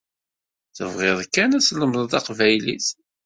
Tebɣiḍ kan ad tlemdeḍ taqbaylit.